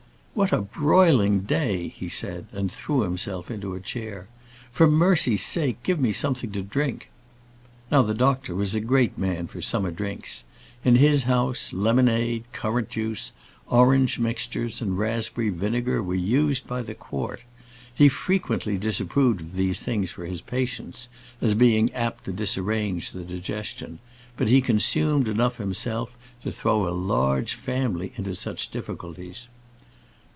"What a broiling day!" he said, and he threw himself into a chair. "For mercy's sake give me something to drink." Now the doctor was a great man for summer drinks. In his house, lemonade, currant juice, orange mixtures, and raspberry vinegar were used by the quart. He frequently disapproved of these things for his patients, as being apt to disarrange the digestion; but he consumed enough himself to throw a large family into such difficulties.